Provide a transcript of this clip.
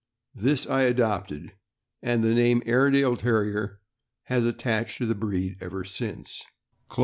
This I adopted, and the name Airedale Terrier has attached to the breed ever since."